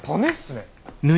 ね